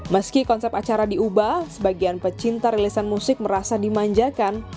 meski konsep acara diubah sebagian pecinta rilisan musik merasa dimanjakan